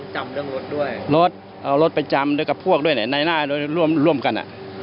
เอารถเอารถไปจำกับพวกด้วยในรถรถร่วมกัน